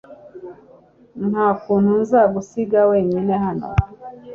Nta kuntu nzagusiga wenyine hano .